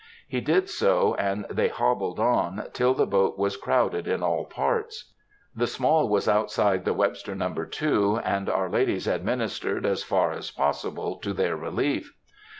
He did so, and they hobbled on, till the boat was crowded in all parts. The Small was outside the Webster No. 2, and our ladies administered as far as possible to their relief.